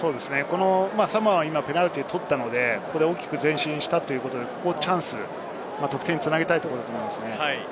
サモアはペナルティーを取ったので、大きく前進したということでチャンス、得点に繋げたいところです。